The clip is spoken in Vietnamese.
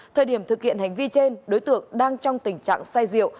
thời điểm thực hiện hành vi trên đối tượng đang trong tình trạng say rượu